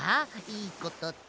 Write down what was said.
いいことって。